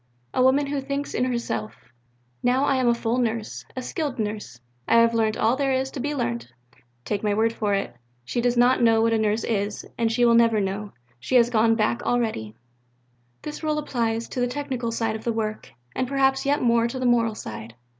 A woman who thinks in herself: 'Now I am a full Nurse, a skilled Nurse, I have learnt all that there is to be learnt' take my word for it, she does not know what a Nurse is, and she never will know; she is gone back already." This rule applies to the technical side of the work, and perhaps yet more to the moral side.